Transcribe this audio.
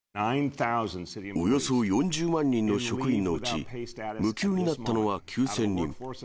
およそ４０万人の職員のうち無給になったのは９０００人。